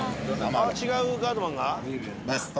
あっ違うガードマンが？